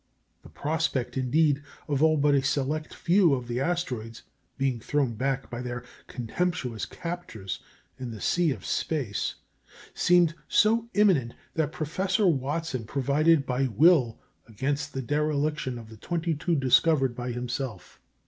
The prospect, indeed, of all but a select few of the asteroids being thrown back by their contemptuous captors into the sea of space seemed so imminent that Professor Watson provided by will against the dereliction of the twenty two discovered by himself.